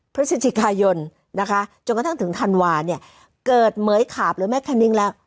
พฤศจิกายนนะคะจนกระทั่งถึงธันวาเนี่ยเกิดเหมือยขาบหรือแม่คณิ้งแล้ว